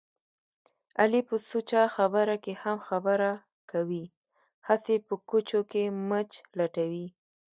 علي په سوچه خبره کې هم خبره کوي. هسې په کوچو کې مچ لټوي.